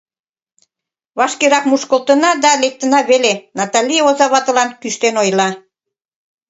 Вашкерак мушкылтына да лектына веле, — Натали озаватыла кӱштен ойла.